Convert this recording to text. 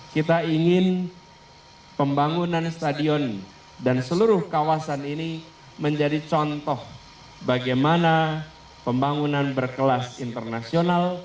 kita ingin pembangunan stadion dan seluruh kawasan ini menjadi contoh bagaimana pembangunan berkelas internasional